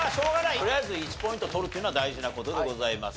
とりあえず１ポイント取るっていうのは大事な事でございます。